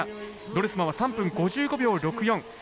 ドルスマンは３分５５秒６４。